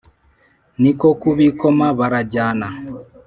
Ni ko kubikoma barajyana